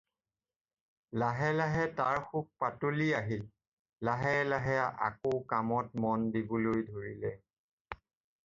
লাহে লাহে তাৰ শোক পাতলি আহিল, লাহে লাহে আকৌ কামত মন দিবলৈ ধৰিলে।